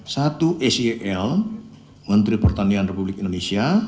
satu sel menteri pertanian republik indonesia